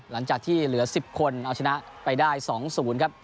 หลังจากที่เหลือ๑๐คนเอาชนะไปได้๒๐ครับ